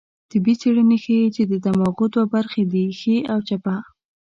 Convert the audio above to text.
طبي څېړنې ښيي، چې د دماغو دوه برخې دي؛ ښۍ او چپه